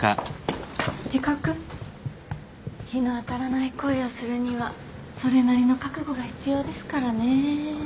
日の当たらない恋をするにはそれなりの覚悟が必要ですからね。